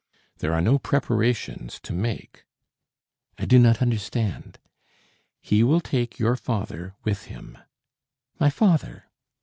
"There are no preparations to make." "I do not understand." "He will take your father with him." "My father?"